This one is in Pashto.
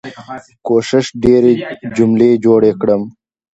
کوښښ ډيرې جملې جوړې کړم.